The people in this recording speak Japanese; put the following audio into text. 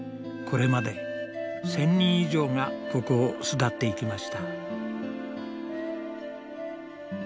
これまで１，０００人以上がここを巣立っていきました。